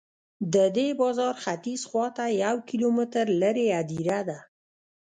د دې بازار ختیځ خواته یو کیلومتر لرې هدیره ده.